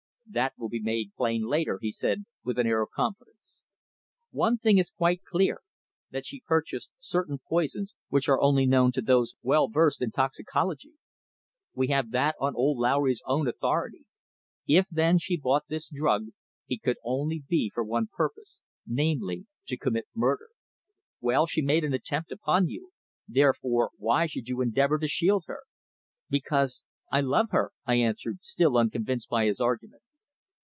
"That will be made plain later," he said with an air of confidence. "One thing is quite clear, that she purchased certain poisons which are only known to those well versed in toxicology. We have that on old Lowry's own authority. If, then, she bought this drug it could only be for one purpose, namely, to commit murder. Well, she made an attempt upon you; therefore, why should you endeavour to shield her?" "Because I love her," I answered, still unconvinced by his argument.